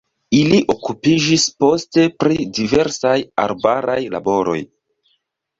Ili okupiĝis poste pri diversaj arbaraj laboroj.